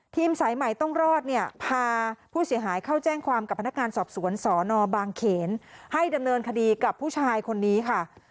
สายใหม่ต้องรอดเนี่ยพาผู้เสียหายเข้าแจ้งความกับพนักงานสอบสวนสนบางเขนให้ดำเนินคดีกับผู้ชายคนนี้ค่ะ